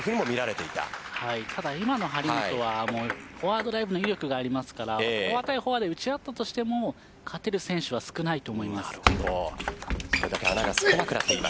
ただ、今の張本はフォアドライブの威力がありますからフォア対フォア打ち合ったとしても勝てる選手は少ないです。